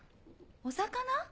お魚？